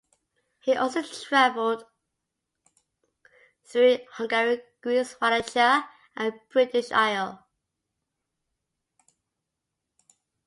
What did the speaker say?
He also travelled through Hungary, Greece, Wallachia, and the British Isles.